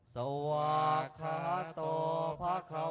สวะขาตโภควะตาธรรโม